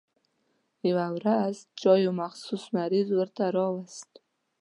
يوه ورځ چا يو مخصوص مریض ورته راوست.